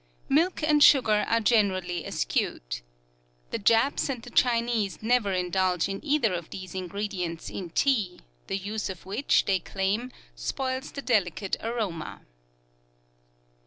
Milk and sugar are generally eschewed. The Japs and the Chinese never indulge in either of these ingredients in tea; the use of which, they claim, spoils the delicate aroma.